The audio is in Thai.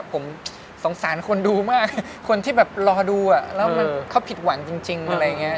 ผมสงสารคนดูมากคนที่แบบรอดูอ่ะแล้วเขาผิดหวังจริงอะไรอย่างนี้